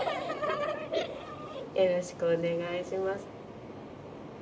よろしくお願いします。